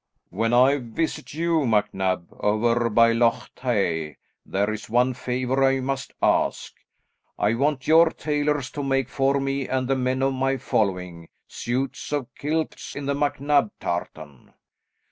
"When I visit you, MacNab, over by Loch Tay, there is one favour I must ask; I want your tailors to make for me and the men of my following, suits of kilts in the MacNab tartan."